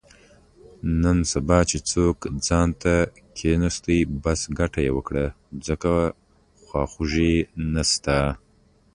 نن سبا چې څوک ځانته کېناستو، بس ګټه یې وکړه، ځکه خواخوږی نشته.